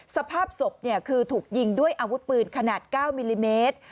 สภาพศพคือถูกยิงด้วยอาวุธปืนขนาด๙มิลลิเมตร